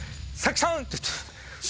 さきさん？